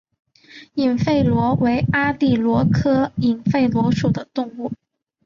隐肺螺为阿地螺科隐肺螺属的动物。